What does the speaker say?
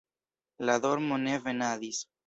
La dormo ne venadis.